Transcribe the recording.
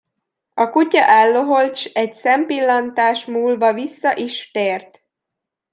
A kutya elloholt, s egy szempillantás múlva vissza is tért.